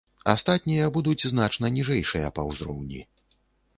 Астатнія будуць значна ніжэйшыя па узроўні.